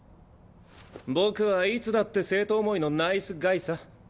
僕はいつだって生徒思いのナイスガイさ。